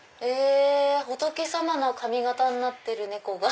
仏様の髪形になってる猫が。